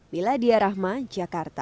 miladia rahma jakarta